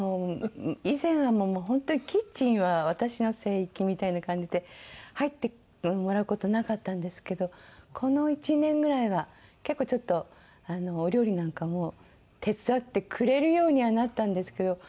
以前は本当にキッチンは私の聖域みたいな感じで入ってもらう事なかったんですけどこの１年ぐらいは結構ちょっとお料理なんかも手伝ってくれるようにはなったんですけど。